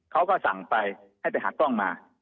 เขาก็สั่งไปให้ไปหากล้องมา